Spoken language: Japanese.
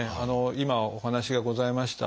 今お話がございました